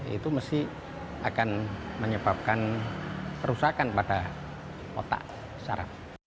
itu mesti akan menyebabkan perusakan pada otak sarap